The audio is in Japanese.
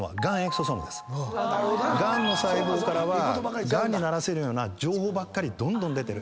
がんの細胞からはがんにならせるような情報ばっかりどんどん出てる。